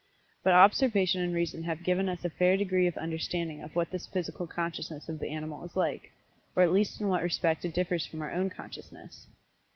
But observation and reason have given us a fair degree of understanding of what this Physical Consciousness of the animal is like or at least in what respect it differs from our own consciousness.